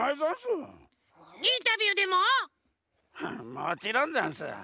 もちろんざんす。